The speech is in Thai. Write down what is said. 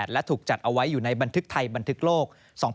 และถูกจัดเอาไว้อยู่ในบันทึกไทยบันทึกโลก